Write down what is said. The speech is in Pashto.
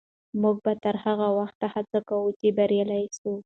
موږ به تر هغه وخته هڅه کوو چې بریالي سو.